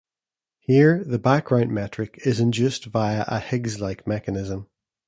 Here the 'background' metric is induced via a Higgs-like mechanism.